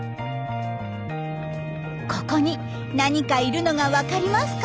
ここに何かいるのがわかりますか？